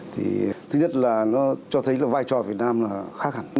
thì thứ nhất là nó cho thấy là vai trò việt nam là khác hẳn